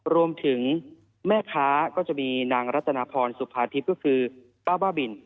รวมถึงแม่ค้าก็จะมีนางรัตนพรสุภาทิพย์ก็คือป้าบ้าบิน